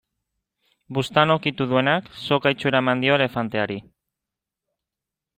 Buztana ukitu duenak, soka itxura ematen dio elefanteari.